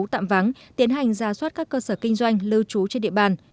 tạm vắng tiến hành ra soát các cơ sở kinh doanh lưu trú trên địa bàn